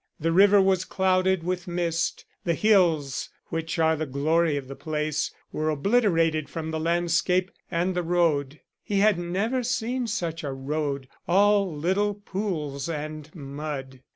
The river was clouded with mist; the hills, which are the glory of the place, were obliterated from the landscape, and the road he had never seen such a road, all little pools and mud.